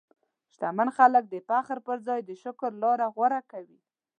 شتمن خلک د فخر پر ځای د شکر لاره غوره کوي.